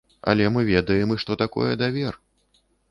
Але мы ведаем і што такое давер.